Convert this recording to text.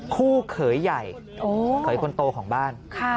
คู่เขยใหญ่เขยคนโตของบ้าน